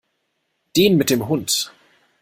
Den mit dem Hund.